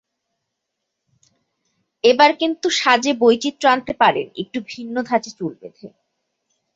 এবার কিন্তু সাজে বৈচিত্র্য আনতে পারেন একটু ভিন্ন ধাঁচে চুল বেঁধে।